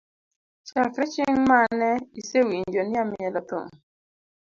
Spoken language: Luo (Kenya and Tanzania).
Chakre ching mane isewinjo ni amielo thum?